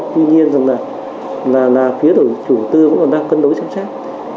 tuy nhiên là phía chủ tư cũng đang cân đối chăm chắc